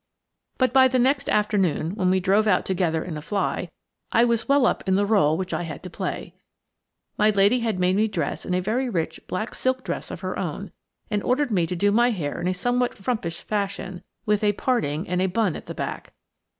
But by the next afternoon, when we drove out together in a fly, I was well up in the rôle which I had to play. My lady had made me dress in a very rich black silk dress of her own, and ordered me to do my hair in a somewhat frumpish fashion, with a parting, and a "bun" at the back.